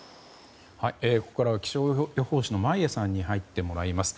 ここからは気象予報士の眞家さんに入ってもらいます。